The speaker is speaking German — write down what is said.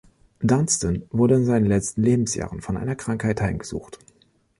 Dunstan wurde in seinen letzten Lebensjahren von einer Krankheit heimgesucht.